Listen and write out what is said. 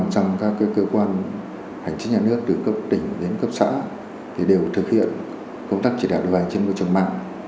một trăm linh các cơ quan hành chính nhà nước từ cấp tỉnh đến cấp xã thì đều thực hiện công tác chỉ đảo điều hành trên môi trường mạng